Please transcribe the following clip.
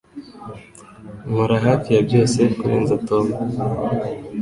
Nkora hafi ya byose kurenza Tom.